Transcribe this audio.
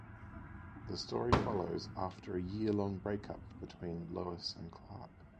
The story follows after a yearlong breakup between Lois and Clark.